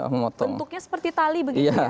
bentuknya seperti tali begitu ya